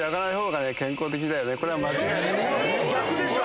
嘘でしょ